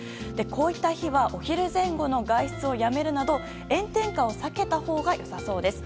こういった日はお昼前後の外出をやめるなど炎天下を避けたほうが良さそうです。